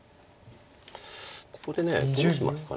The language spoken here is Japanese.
ここでどうしますか。